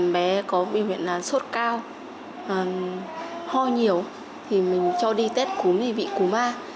bé có bệnh viện sốt cao ho nhiều thì mình cho đi tết cúng thì bị cú ma